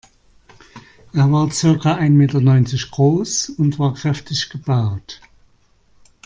Er war circa ein Meter neunzig groß und war kräftig gebaut.